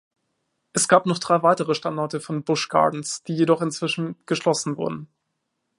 Es gab noch drei weitere Standorte von Busch Gardens, die jedoch inzwischen geschlossen wurden.